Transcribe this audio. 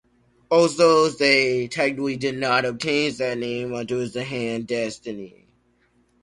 Although they technically did not obtain that name until the Han Dynasty.